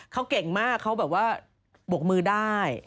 เขาเก่งมากเขาแบบว่าบกมือได้